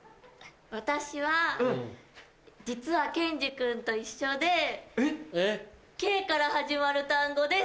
私は実はケンジ君と一緒で「Ｋ」から始まる単語です！